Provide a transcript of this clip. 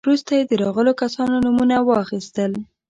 وروسته يې د راغلو کسانو نومونه واخيستل.